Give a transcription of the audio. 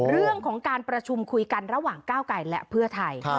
เรื่องของการประชุมคุยกันระหว่างก้าวไกลและเพื่อไทย